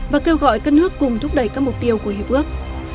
và kêu gọi các nước cùng thúc đẩy các mục tiêu của hiệp ước